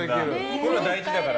こういうの大事だから。